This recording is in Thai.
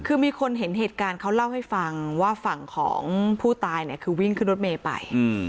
คือมีคนเห็นเหตุการณ์เขาเล่าให้ฟังว่าฝั่งของผู้ตายเนี่ยคือวิ่งขึ้นรถเมย์ไป